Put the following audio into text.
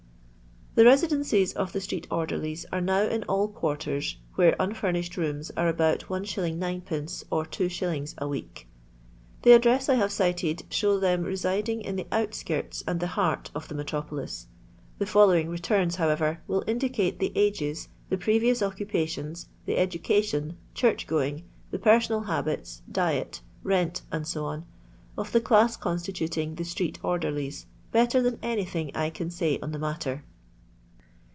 Tke retidencet <ff ikt ttrHt^rderliei are now in all quarters where unfurnished rooms are about Is. dd, or 2s. a week. The addresses I have cited show them residing in the outskirts and the heart of tho metropolis. The following returns, how ever, will indicate the ages, the previous occupa tions, the education, church going, the personal habits, diet, rent, Ac., of the dass constituting the street orderlies, better than anything I can say on the matter.